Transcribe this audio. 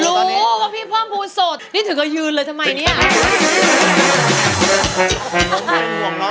รู้ว่าพี่พอมพูดโศดถึงเรายืนเลยทำไมนี่